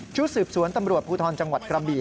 ชุดสืบสวนตำรวจภูทรจังหวัดกระบี่